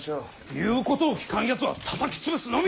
言うことを聞かんやつはたたき潰すのみ！